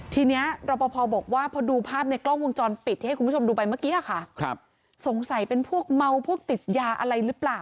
ทีนี้เราพอบอกว่าพอดูภาพในกล้องวงจรปิดที่ให้คุณผู้ชมดูไปเมื่อกี้ค่ะ